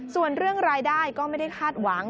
ส่วนเรื่องรายได้ก็ไม่ได้คาดหวัง